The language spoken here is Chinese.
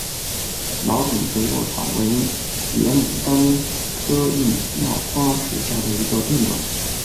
毛柄肥肉草为野牡丹科异药花属下的一个变种。